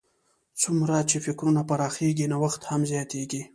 څومره چې فکرونه پراخېږي، نوښت هم زیاتیږي.